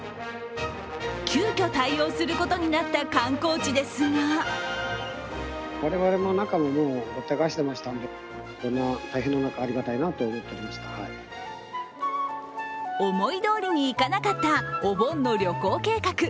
急きょ対応することになった観光地ですが思いどおりにいかなかったお盆の旅行計画。